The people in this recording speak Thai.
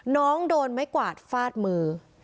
น้องโดนไม้กวาดฟาดมือ